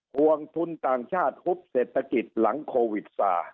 ห่วงทุนต่างชาติฮุบเศรษฐกิจหลังโควิดซา